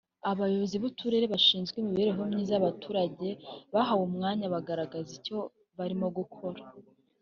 Abayobozi buturere bashinzwe imibereho myiza y’abaturage bahawe umwanya bagaragaza icyo barimo gukora